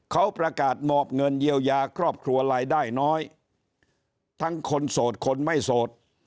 เขาประกาศหมอบเงินเยียวยาครอบครัวรายได้น้อยทั้งคนโสดคนไม่โสด